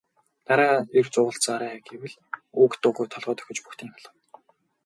Дараа ирж уулзаарай гэвэл үг дуугүй толгой дохиж бөгтийн алхана.